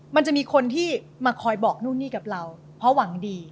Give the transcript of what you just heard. มันจะมีคนที่มาคอยบอกนู่นนี่กับเราเพราะหวังดี